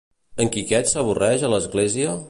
En Quiquet s'avorreix a l'església?